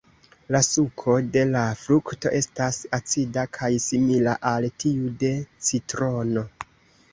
La suko de la frukto estas acida kaj simila al tiu de citrono.